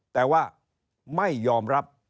แต่ว่าไม่ยอมรับ